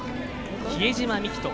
比江島幹。